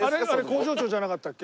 工場長じゃなかったっけ？